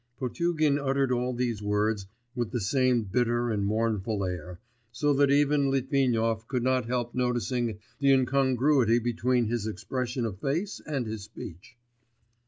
Potugin uttered all these words with the same bitter and mournful air, so that even Litvinov could not help noticing the incongruity between his expression of face and his speech.